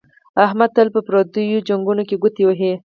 احمد تل په پردیو لانجو کې گوتې وهي